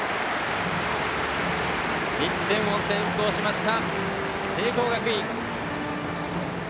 １点を先行しました、聖光学院。